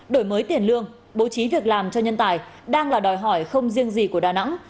đổi mới tiền lương bố trí việc làm cho nhân tài đang là đòi hỏi không riêng gì của đà nẵng